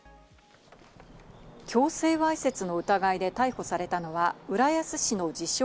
強制わいせつの疑いで逮捕されたのは浦安市の自称